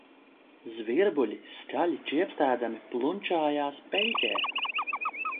Zvirbuļi skaļi čiepstēdami plunčājās peļķē